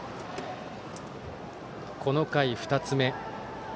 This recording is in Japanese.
この回、２つ目。